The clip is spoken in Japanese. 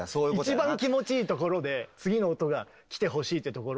一番気持ちいいところで次の音が来てほしいってところを。